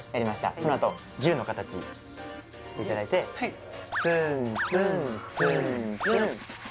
そのあと銃の形していただいてツンツンツンツン